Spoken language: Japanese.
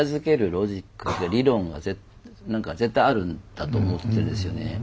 ロジック理論が何か絶対あるんだと思ってんですよね。